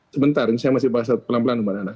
sebentar ini saya masih bahas pelan pelan